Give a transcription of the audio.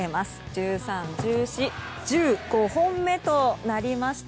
１３、１４１５本目となりました。